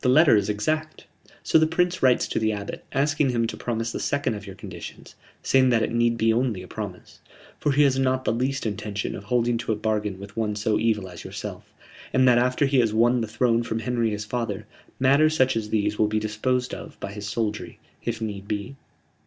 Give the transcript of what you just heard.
The letter is exact." "So the Prince writes to the Abbot, asking him to promise the second of your conditions, saying that it need be only a promise, for he has not the least intention of holding to a bargain with one so evil as yourself, and that after he has won the throne from Henry his father, matters such as these will be disposed of by his soldiery, if need be."